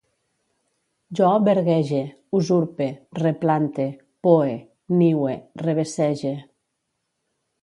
Jo verguege, usurpe, replante, poe, niue, revessege